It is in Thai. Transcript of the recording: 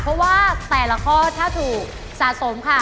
เพราะว่าแต่ละข้อถ้าถูกสะสมค่ะ